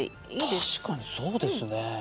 確かにそうですね。